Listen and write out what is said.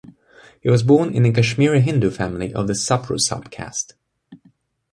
He was born in a Kashmiri Hindu family of the Sapru sub-caste.